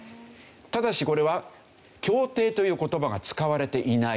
ただしこれは「協定」という言葉が使われていない。